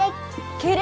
敬礼！